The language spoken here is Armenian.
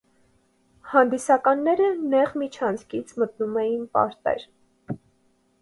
Հանդիսականները նեղ միջանցքից մտնում էին պարտեր։